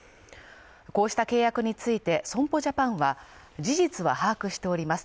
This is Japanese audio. こうした契約について損保ジャパンは事実は把握しております